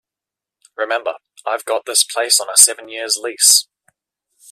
Remember, I've got this place on a seven years' lease.